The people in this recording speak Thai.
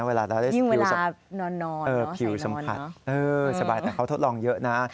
นี่เวลานอนใช้ละน่ะสบายสบายแต่เขาทดลองเยอะนะ